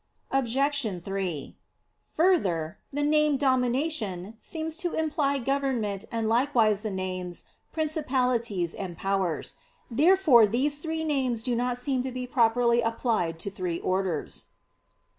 Obj. 3: Further, the name "Domination" seems to imply government and likewise the names "Principalities" and "Powers." Therefore these three names do not seem to be properly applied to three orders.